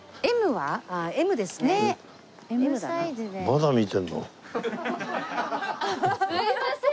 すいません。